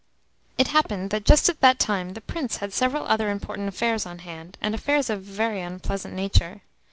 It happened that just at that time the Prince had several other important affairs on hand, and affairs of a very unpleasant nature.